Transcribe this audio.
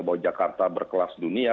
bahwa jakarta berkelas dunia